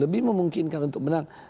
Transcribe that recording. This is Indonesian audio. lebih memungkinkan untuk menang